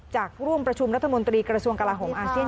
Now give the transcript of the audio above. ร่วมประชุมรัฐมนตรีกระทรวงกลาโหมอาเซียน